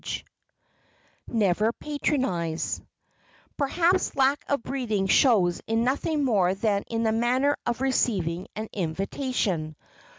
[Sidenote: NEVER PATRONIZE] Perhaps lack of breeding shows in nothing more than in the manner of receiving an invitation.